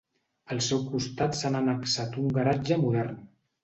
Al seu costat s'han annexat un garatge modern.